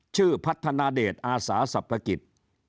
ชื่อพัฒนเดชน์อาศาสับประกิจ